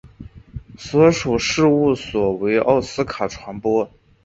所属事务所为奥斯卡传播。